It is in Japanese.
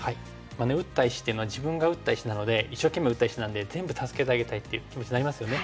打った石っていうのは自分が打った石なので一生懸命打った石なんで全部助けてあげたいっていう気持ちになりますよね。